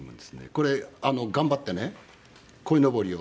これ頑張ってねこいのぼりを。